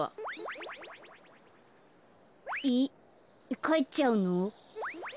えっかえっちゃうの？